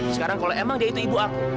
sekarang kalau emang dia itu ibu aku